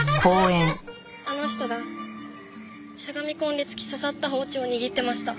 あの人がしゃがみ込んで突き刺さった包丁を握ってました。